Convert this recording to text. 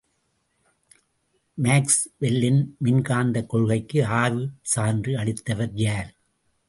மாக்ஸ்வெல்லின் மின்காந்தக் கொள்கைக்கு ஆய்வுச் சான்று அளித்தவர் யார்?